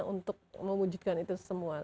untuk mewujudkan itu semua